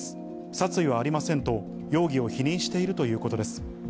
殺意はありませんと、容疑を否認しているということです。